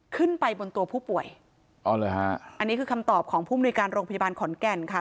ขึ้นไปบนตัวผู้ป่วยอ๋อเหรอฮะอันนี้คือคำตอบของผู้มนุยการโรงพยาบาลขอนแก่นค่ะ